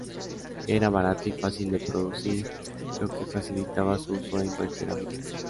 Era barato y fácil de producir, lo que facilitaba su uso en cualquier ámbito.